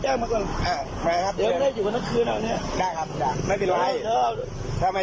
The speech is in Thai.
ใช่พี่ก็ต้องให้ความร่วมลืมมือก่อนให้เกียรติโดยภาคหน้าที่ด้วยสิ